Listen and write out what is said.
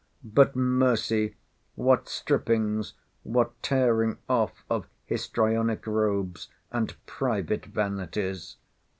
But mercy! what strippings, what tearing off of histrionic robes, and private vanities!